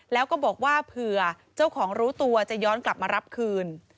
แล้วก็บอกว่าเผื่อเจ้าของรู้ตัวจะย้อนกลับมารับคืน